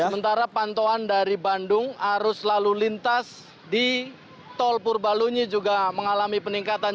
sementara pantauan dari bandung arus lalu lintas di tol purbalunyi juga mengalami peningkatan